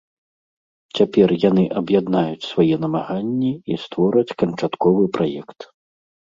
Цяпер яны аб'яднаюць свае намаганні і створаць канчатковы праект.